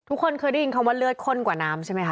ทุกคนเคยได้ยินคำว่าเลือดข้นกว่าน้ำใช่ไหมค